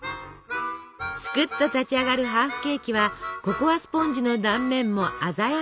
すくっと立ち上がるハーフケーキはココアスポンジの断面も鮮やか！